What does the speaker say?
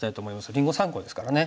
りんご３個ですからね。